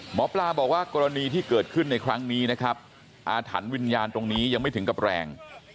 หมอปลาบอกว่ากรณีที่เกิดขึ้นในครั้งนี้นะครับอาถรรพ์วิญญาณตรงนี้ยังไม่ถึงกับแรง